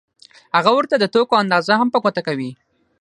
هغه ورته د توکو اندازه هم په ګوته کوي